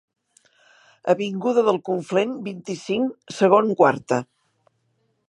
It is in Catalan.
Avinguda del Conflent, vint-i-cinc, segon quarta.